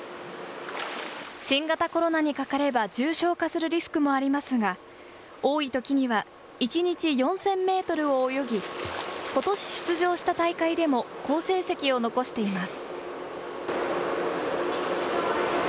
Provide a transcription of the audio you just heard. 新型コロナにかかれば重症化するリスクもありますが、多いときには１日４０００メートルを泳ぎ、ことし出場した大会でも好成績を残しています。